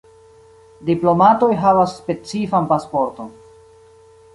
Diplomatoj havas specifan pasporton.